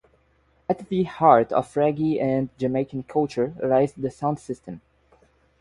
At the heart of reggae and Jamaican culture lies the Sound System.